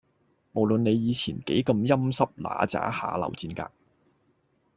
無論你以前幾咁陰騭嗱喳下流賤格